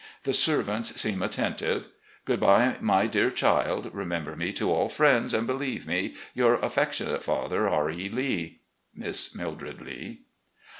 The servants seem attentive. Good bye, my dear child. Remember me to all friends, and believe me, " Your affectionate father, R. E. Lee. "Miss Mildred Lee."